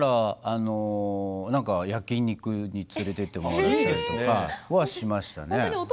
焼き肉に連れて行ってもらったりしましたね。